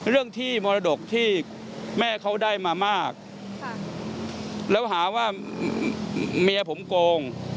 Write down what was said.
เรื่องที่มรดกที่แม่เขาได้มามากแล้วหาว่าเมียผมโกง